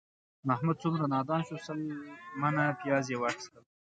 محمود څومره نادان شو، سل منه پیاز یې واخیستل